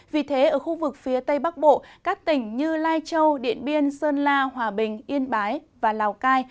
vì thế ở khu vực phía tây bắc bộ các tỉnh như lai châu điện biên sơn la hòa bình yên bái và lào cai